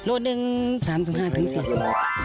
โลกหนึ่ง๓๕๔โลกรัม